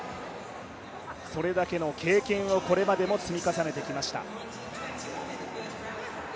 それだけの経験をこれまでも積み重ねてきました。